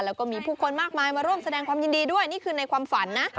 แล้วก็มีผู้คนมากมายมาร่วมแสดงความยินดีด้วยนี่คือในความฝันนะ